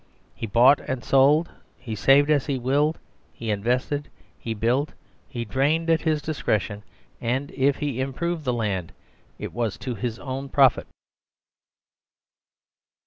He bought and sold. He saved as he willed, he invested, he built, he drained at his discretion, and if he improved the land it was to his own profit.